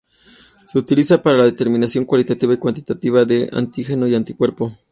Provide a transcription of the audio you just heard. Se utiliza para la determinación cualitativa y cuantitativa de antígeno y anticuerpo.